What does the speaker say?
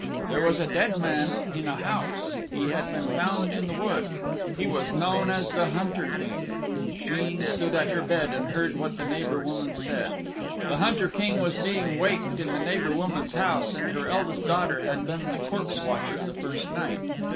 There was a dead man in a house. He had been found in the wood. He was known as the Hunter King. Sheen stood at her bed and heard what the neighbor woman said. The Hunter King was being waked in the neighbor woman's house, and her eldest daughter had been the corpse watcher the first night.